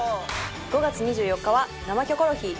５月２４日は「生キョコロヒー」。